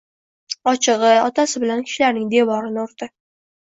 Ochig‘i, otasi bilan kishilarning devorini urdi.